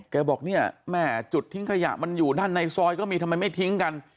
บอกเนี่ยแม่จุดทิ้งขยะมันอยู่ด้านในซอยก็มีทำไมไม่ทิ้งกัน